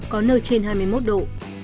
có nơi trên hai mươi một độ